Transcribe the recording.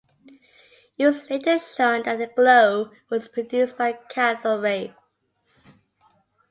It was later shown that the glow was produced by cathode rays.